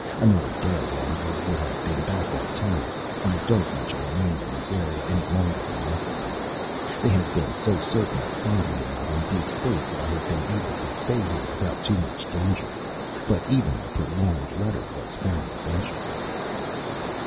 Another day and you would have been back on Terra. I don't want to remain in this area any longer than necessary. They have been so certain of finding me out in deep space that I have been able to stay here without too much danger. But even the purloined letter was found eventually."